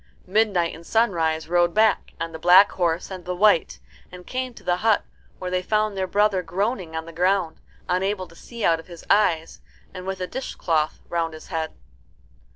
Midnight and Sunrise rode back, on the black horse and the white, and came to the hut, where they found their brother groaning on the ground, unable to see out of his eyes, and with a dishcloth round his head.